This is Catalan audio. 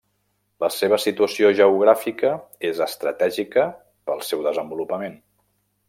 La seva situació geogràfica és estratègica pel seu desenvolupament.